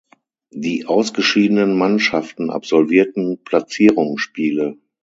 Die ausgeschiedenen Mannschaften absolvierten Platzierungsspiele.